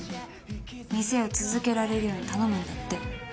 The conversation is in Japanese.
店を続けられるように頼むんだって。